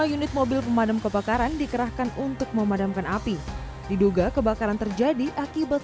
lima unit mobil pemadam kebakaran dikerahkan untuk memadamkan api diduga kebakaran terjadi akibat